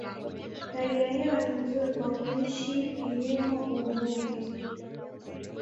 Hali ya hewa ni nzuri kwa kuishi, kilimo, uvuvi.